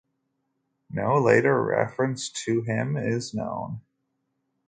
No later reference to him is known.